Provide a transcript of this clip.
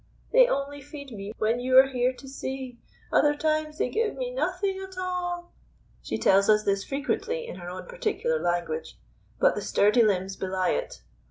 "They only feed me when you are here to see! Other times they give me nothing at all!" She tells us this frequently in her own particular language, but the sturdy limbs belie it.